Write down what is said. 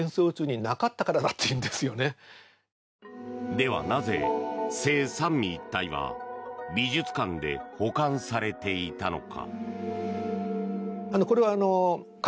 ではなぜ、「聖三位一体」は美術館で保管されていたのか。